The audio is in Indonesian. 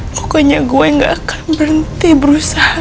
pokoknya gue gak akan berhenti berusaha